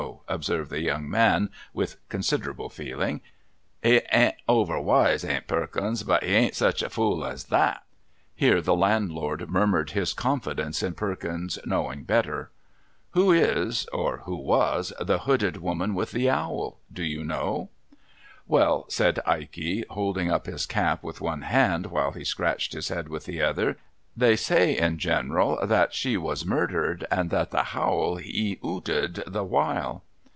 observed the young man, with considerable feeling ;' he an't over wise, an't Perkins, but he an't such a fool as ihai: ,o_^ TlIK HAUNTED HOUSE (Here, the landlord uuirnuircd his confidence in Perkins's knowing ^''"'Wilo is or wlio was thc hooded woman with the owl? Do ^"'\\Vll''' said Ikev, holding up his cap with one hand while he scratched his head with the other, ' they say, in general, that she was nuirdered, and the howl he 'ooted the while.'